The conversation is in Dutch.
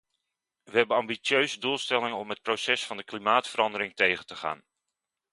Wij hebben ambitieuze doelstellingen om het proces van de klimaatverandering tegen te gaan.